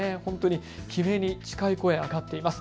悲鳴に近い声、上がっています。